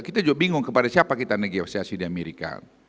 kita juga bingung kepada siapa kita negosiasi di amerika